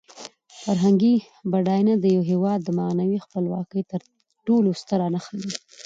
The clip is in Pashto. فرهنګي بډاینه د یو هېواد د معنوي خپلواکۍ تر ټولو ستره نښه ده.